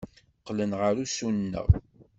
Qqlen ɣer ussuneɣ.